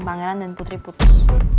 pangeran dan putri putus